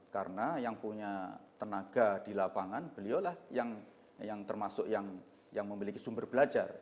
karena yang punya tenaga di lapangan beliulah yang termasuk yang memiliki sumber belajar